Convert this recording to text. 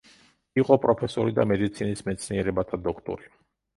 იყო პროფესორი და მედიცინის მეცნიერებათა დოქტორი.